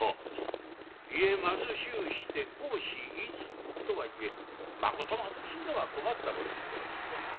「家貧しゅうして孝子出ず」とはいえ貧しいのは困った事でございますな。